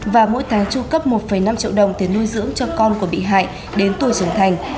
và mỗi tháng tru cấp một năm triệu đồng tiền nuôi dưỡng cho con của bị hại đến tuổi trưởng thành